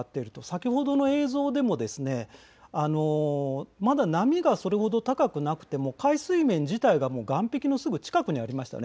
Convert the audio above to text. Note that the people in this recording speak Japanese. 先ほどの映像でもまだ波がそれほど高くなくても海水面自体が岸壁のすぐ近くにありました。